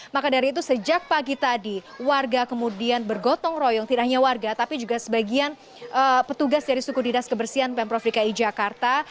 maka dari itu sejak pagi tadi warga kemudian bergotong royong tidak hanya warga tapi juga sebagian petugas dari suku dinas kebersihan pemprov dki jakarta